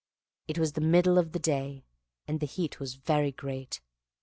It was the middle of the day, and the heat was very great.